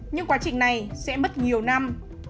nhưng quá trình này sẽ mất nhiều năm